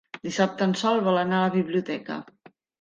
Dissabte en Sol vol anar a la biblioteca.